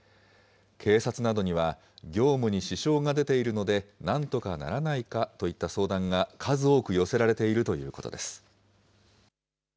警察などには、業務に支障が出ているので、なんとかならないかといった相談が数多く寄せられているということです。